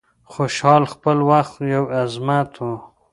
خوشحال د خپل وخت یو عظمت و.